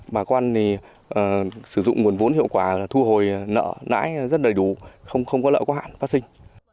bà con thì sử dụng nguồn vốn hiệu quả là thu hồi nợ nãi rất đầy đủ không có lợi quá hạn phát sinh